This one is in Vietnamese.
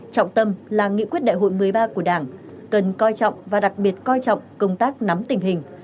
trọng tâm là nghị quyết đại hội một mươi ba của đảng cần coi trọng và đặc biệt coi trọng công tác nắm tình hình